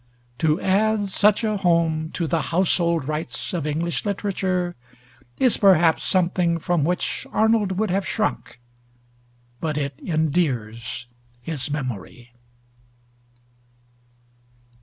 To add such a home to the household rights of English literature is perhaps something from which Arnold would have shrunk, but it endears his memory.